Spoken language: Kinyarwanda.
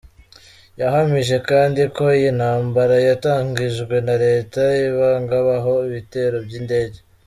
Yahamije kandi ko iyi ntambara yatangijwe na Leta ibagabaho ibitero by’indege.